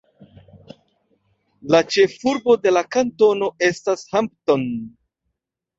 La ĉefurbo de la kantono estas Hampton.